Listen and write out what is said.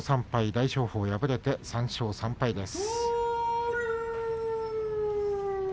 大翔鵬、敗れて３勝３敗です。